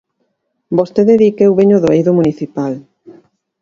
Vostede di que eu veño do eido municipal.